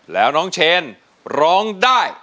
แล้วน้องเชนร้องได้